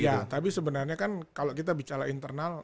ya tapi sebenarnya kan kalau kita bicara internal